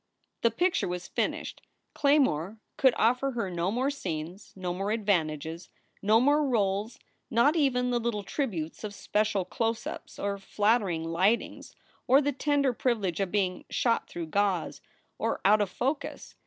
The picture was finished. Claymore could offer her no more scenes, no more advantages, no more roles, not even the little tributes of special close ups or flattering lightings or the tender privilege of being "shot through gauze" or out of focus.